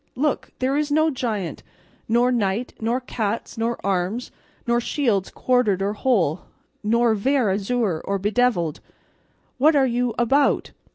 Look, there is no giant, nor knight, nor cats, nor arms, nor shields quartered or whole, nor vair azure or bedevilled. What are you about?